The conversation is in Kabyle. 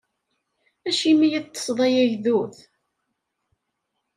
Acimi i teṭṭṣeḍ ay agdud?